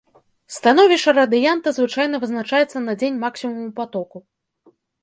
Становішча радыянта звычайна вызначаецца на дзень максімуму патоку.